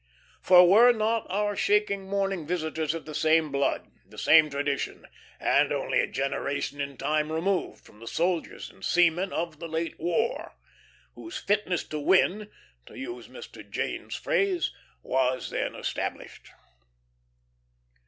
For were not our shaking morning visitors of the same blood, the same tradition, and only a generation in time removed from, the soldiers and seamen of the late war? whose "fitness to win," to use Mr. Jane's phrase, was then established.